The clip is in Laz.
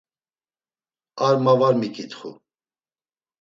Ar ma var miǩitxu.